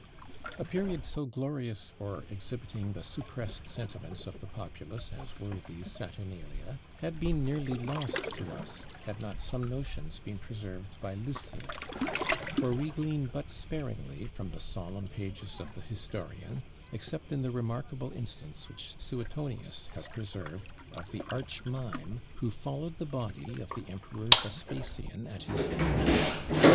A period so glorious for exhibiting the suppressed sentiments of the populace as were these Saturnalia, had been nearly lost for us, had not some notions been preserved by Lucian; for we glean but sparingly from the solemn pages of the historian, except in the remarkable instance which Suetonius has preserved of the arch mime who followed the body of the Emperor Vespasian at his funeral.